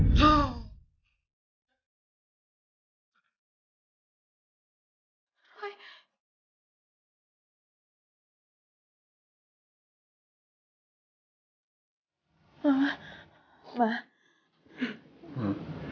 tidak bisa saya tidak bisa menangkapmu